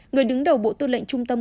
người đứng đầu bộ tư lệnh trung tâm